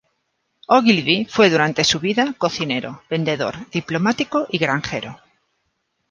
Ogilvy fue durante su vida cocinero, vendedor, diplomático y granjero.